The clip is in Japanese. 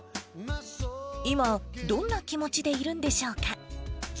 今、どんな気持ちでいるんでしょうか。